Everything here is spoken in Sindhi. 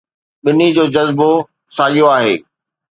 ٻنهي جو جذبو ساڳيو آهي